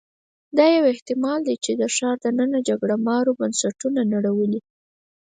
دا یو احتمال دی چې د ښار دننه جګړه مارو بنسټونه نړولي